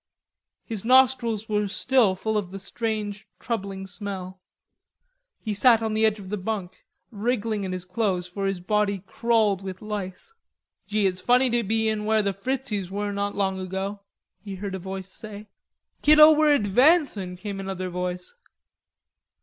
His nostrils were still full of the strange troubling smell. He sat on the edge of the bunk, wriggling in his clothes, for his body crawled with lice. "Gee, it's funny to be in where the Fritzies were not long ago," he heard a voice say. "Kiddo! we're advancin'," came another voice.